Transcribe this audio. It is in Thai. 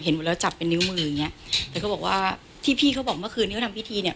หมดแล้วจับเป็นนิ้วมืออย่างเงี้ยแต่เขาบอกว่าที่พี่เขาบอกเมื่อคืนนี้เขาทำพิธีเนี้ย